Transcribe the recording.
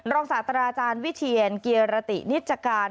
ศาสตราอาจารย์วิเทียนเกียรตินิจการ